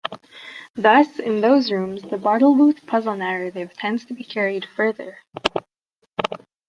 Thus, in those rooms the Bartlebooth puzzle-narrative tends to be carried further.